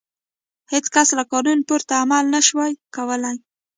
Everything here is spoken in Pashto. هېڅ کس له قانون پورته عمل نه شوای کولای.